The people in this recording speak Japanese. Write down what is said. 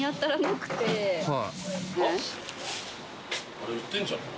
あれ売ってんじゃない？